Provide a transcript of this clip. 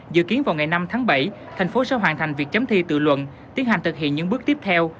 dự kiến vào ngày năm tháng bảy thành phố sẽ hoàn thành việc chấm thi tự luận tiến hành thực hiện những bước tiếp theo